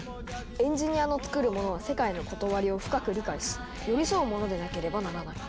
エンジニアの作るものは世界のことわりを深く理解し寄り添うものでなければならない。